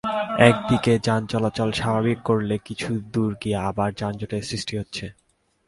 একদিকে যান চলাচল স্বাভাবিক করলে কিছু দূর গিয়ে আবার যানজটের সৃষ্টি হচ্ছে।